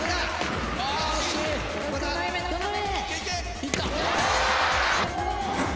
いった！